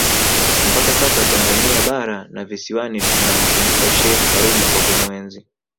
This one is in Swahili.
mpaka sasa Tanzania bara na visiwani tunamkumbuka Sheikh Karume kwa kumuenzi